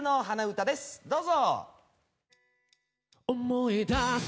どうぞ。